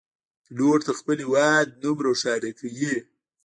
پیلوټ د خپل هیواد نوم روښانه کوي.